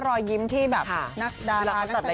รอยยิ้มที่แบบนักดารานักเต้น